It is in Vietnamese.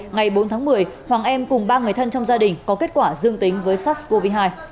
ngày bốn tháng một mươi hoàng em cùng ba người thân trong gia đình có kết quả dương tính với sars cov hai